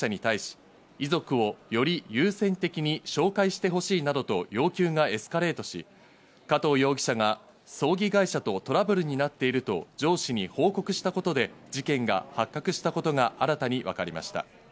その後の捜査関係者への取材で、葬儀会社側から加藤容疑者に対し、遺族をより優先的に紹介してほしいなどの要求がエスカレートし、加藤容疑者が葬儀会社とトラブルになっていると上司に報告したことで事件が発覚したことが新たに分かりました。